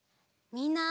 みんな！